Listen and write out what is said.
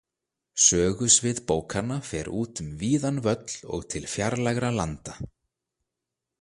Sögusvið bókanna fer út um víðan völl og til fjarlægra landa.